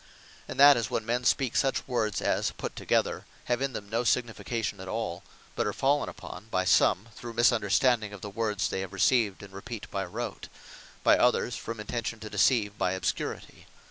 And that is, when men speak such words, as put together, have in them no signification at all; but are fallen upon by some, through misunderstanding of the words they have received, and repeat by rote; by others, from intention to deceive by obscurity.